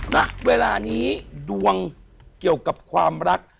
ณเวลานี้ดวงเกี่ยวกับความรัก